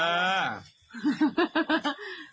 เออ